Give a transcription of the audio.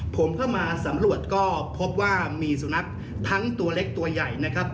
ผมเข้ามาสำรวจก็พบว่ามีสุนัขทั้งตัวเล็กตัวใหญ่นะครับ